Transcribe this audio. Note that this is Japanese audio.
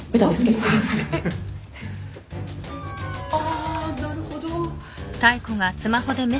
あなるほど。